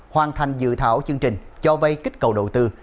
hoàn thành dự thảo chương trình cho vay kích cầu đầu tư